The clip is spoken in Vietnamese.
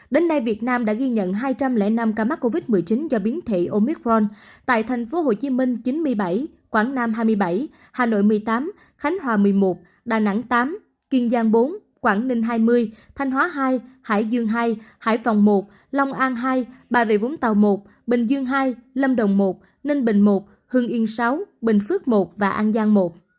đến nay việt nam đã ghi nhận hai trăm linh năm ca mắc covid một mươi chín do biến thị omicron tại thành phố hồ chí minh chín mươi bảy quảng nam hai mươi bảy hà nội một mươi tám khánh hòa một mươi một đà nẵng tám kiên giang bốn quảng ninh hai mươi thanh hóa hai hải dương hai hải phòng một lòng an hai bà rịa vũng tàu một bình dương hai lâm đồng một ninh bình một hương yên sáu bình phước một và an giang một